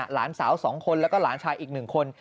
หลานสาว๒คนแล้วก็หลานชายอีก๑คน